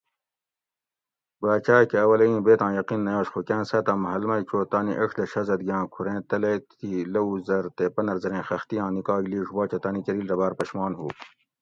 باچہ کہ اولہ اِیں بیتاں یقین نہ یاش خو کاۤں ساۤتہ محل می چو تانی ایڄ دہ شازادگے آں کُھوریں تلے تھی لوؤ زر تے پنر زریں خختی آں نِکاگ لِیڄ باچہ تانی کۤریل رہ باۤر پشمان ہُو